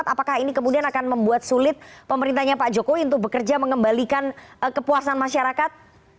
apakah ini kemudian akan membuat sulit pemerintahnya pak jokowi untuk bekerja mengembalikan kepuasan masyarakat